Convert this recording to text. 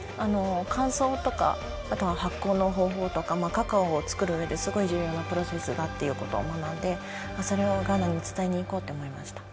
乾燥とかあとは発酵の方法とかカカオを作る上ですごい重要なプロセスだっていう事を学んでそれをガーナに伝えにいこうって思いました。